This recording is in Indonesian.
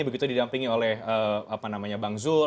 begitu didampingi oleh bang zul